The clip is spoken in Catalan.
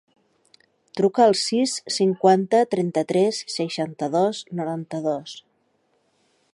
Truca al sis, cinquanta, trenta-tres, seixanta-dos, noranta-dos.